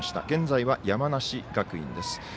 現在は山梨学院です。